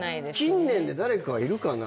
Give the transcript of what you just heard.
近年で誰かいるかな？